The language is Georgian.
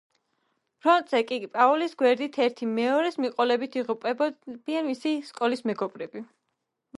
ფრონტზე კი პაულის გვერდით ერთი მეორეს მიყოლებით იღუპებიან მისი სკოლის მეგობრები.